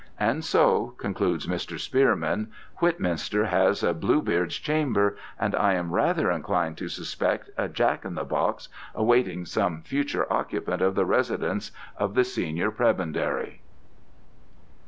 And so," concludes Mr. Spearman, "Whitminster has a Bluebeard's chamber, and, I am rather inclined to suspect, a Jack in the box, awaiting some future occupant of the residence of the senior prebendary."